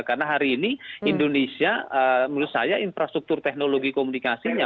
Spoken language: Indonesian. karena hari ini indonesia menurut saya infrastruktur teknologi komunikasinya